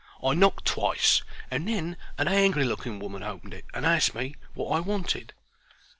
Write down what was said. I knocked twice, and then an angry looking woman opened it and asked me wot I wanted.